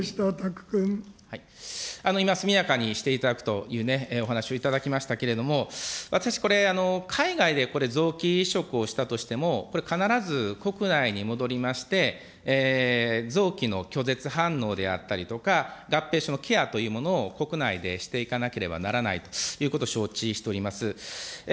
今、速やかにしていただくというお話をいただきましたけれども、私、これ、海外で臓器移植をしたとしても、これ、必ず国内に戻りまして、臓器の拒絶反応であったりとか、合併症のケアというものを国内でしていかなければならないということを承知しております。